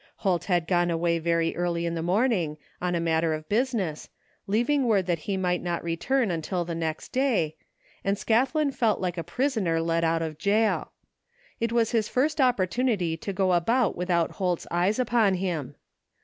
Holt had gone away very early in the morning, on a matter of business, leaving word that he might not return until the next day, and Scathlin felt like a prisoner let out of jail. It was his first opportunity to go about without Holt's eyes upon him.